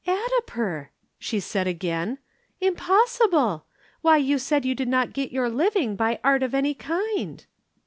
"Addiper!" she said again. "Impossible! why you said you did not get your living by art of any kind."